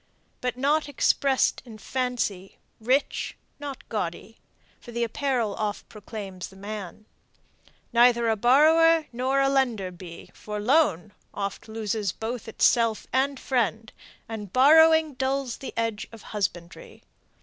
But not express'd in fancy; rich, not gaudy; For the apparel oft proclaims the man. Neither a borrower nor a lender be: For loan oft loses both itself and friend, And borrowing dulls the edge of husbandry.